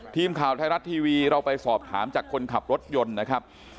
ทีมข่าวไทยรัฐทีวีเราไปสอบถามจากคนขับรถยนต์นะครับ